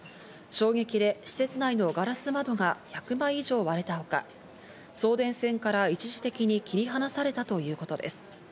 衝撃で施設内のガラス窓が１００枚以上割れたほか、送電線から一時的に切り離されたということです。